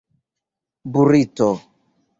burito